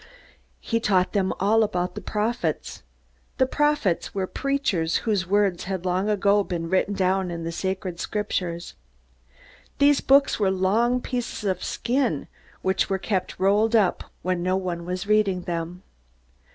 He taught them also about the prophets. The prophets were preachers whose words had long ago been written down in the sacred Scriptures. These books were long pieces of skin, which were kept rolled up when no one was reading them.